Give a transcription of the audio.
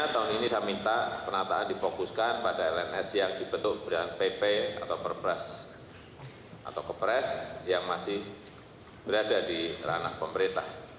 tahun ini saya minta penataan difokuskan pada lms yang dibentuk dengan pp atau perpres atau kepres yang masih berada di ranah pemerintah